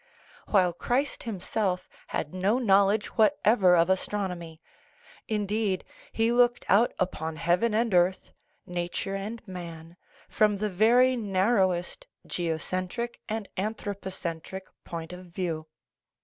while Christ himself had no knowledge whatever of as tronomy indeed, he looked out upon heaven and earth, nature and man, from the very narrowest geocentric and anthropocentric point of view.